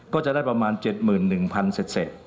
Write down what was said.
ก็จะได้ประมาณ๗๑๐๐๐เศษ